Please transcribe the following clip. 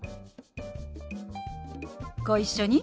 ご一緒に。